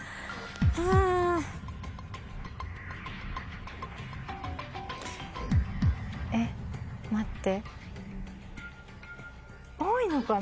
ん！えっ待って。